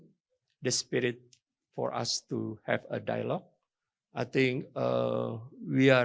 saya pikir kita adalah keluarga kecil